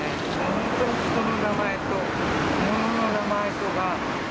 人の名前と物の名前とが。